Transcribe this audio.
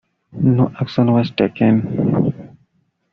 No action was taken.